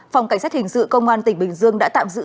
phòng cảnh sát hình sự công an tỉnh bình dương đã tạm giữ